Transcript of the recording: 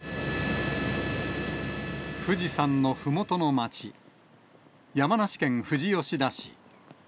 富士山のふもとの町、山梨県富士吉田市。